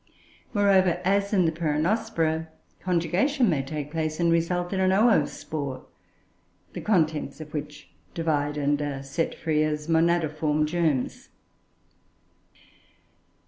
Moreover, as in the Peronospora, conjugation may take place and result in an oospore; the contents of which divide and are set free as monadiform germs.